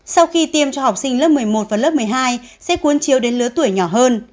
sau khi tiêm cho học sinh lớp một mươi một và lớp một mươi hai sẽ cuốn chiếu đến lứa tuổi nhỏ hơn